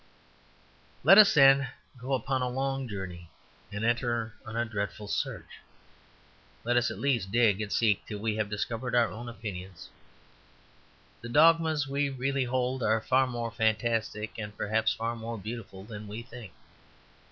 Let us, then, go upon a long journey and enter on a dreadful search. Let us, at least, dig and seek till we have discovered our own opinions. The dogmas we really hold are far more fantastic, and, perhaps, far more beautiful than we think.